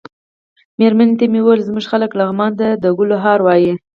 مېرمنې ته مې ویل زموږ خلک لغمان ته د ګلو هار وايي.